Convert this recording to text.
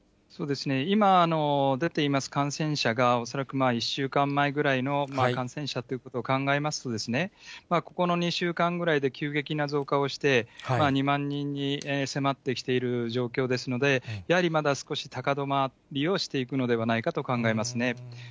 今、出ています感染者が恐らく１週間前ぐらいの感染者ということを考えますとですね、ここの２週間ぐらいで急激な増加をして、２万人に迫ってきている状況ですので、やはりまだ少し高止まりをしていくのではないかと考えますね。